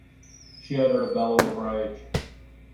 She uttered a bellow of rage.